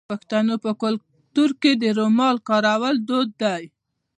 د پښتنو په کلتور کې د رومال کارول دود دی.